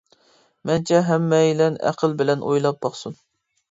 مەنچە ھەممەيلەن ئەقىل بىلەن ئويلاپ باقسۇن.